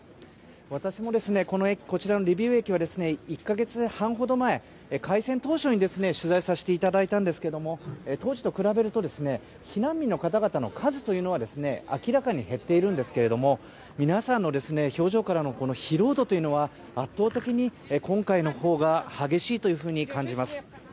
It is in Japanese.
私もこちらのリビウ駅は１か月半ほど前、開戦当初に取材させていただいたんですが当時と比べると避難民の方の数は明らかに減っているんですが皆さんの表情からの疲労度というのは圧倒的に今回のほうが激しいと感じます。